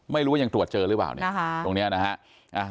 ไม่รู้ว่ายังตรวจเจอหรือเปล่าเนี่ยตรงนี้นะฮะ